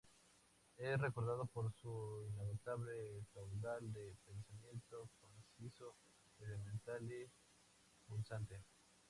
Es recordado por su inagotable caudal de pensamiento, conciso, elemental y punzante.